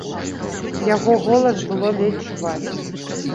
Яго голас было ледзь чуваць.